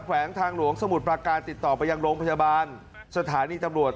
วงทางหลวงสมุทรประการติดต่อไปยังโรงพยาบาลสถานีตำรวจ